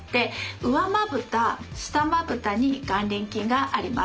上まぶた下まぶたに眼輪筋があります。